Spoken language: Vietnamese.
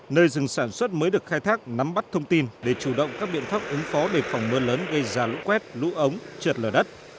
nơi rừng sản xuất mới được khai thác nắm bắt thông tin để chủ động các biện pháp ứng phó để phòng mưa lớn gây ra lũ quét lũ ống trượt lở đất